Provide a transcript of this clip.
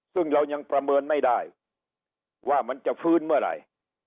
ซึ่งเรายังประเมินไม่ได้ว่ามันจะฟื้นเมื่อไหร่